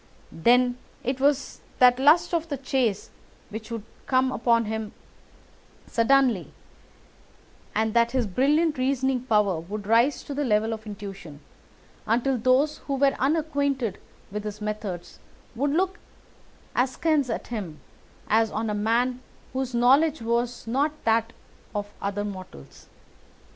Then it was that the lust of the chase would suddenly come upon him, and that his brilliant reasoning power would rise to the level of intuition, until those who were unacquainted with his methods would look askance at him as on a man whose knowledge was not that of other mortals.